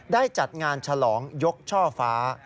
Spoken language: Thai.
ได้จัดงานฉลองยกเช้าฟ้า